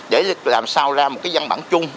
để làm sao ra một cái dân bản chung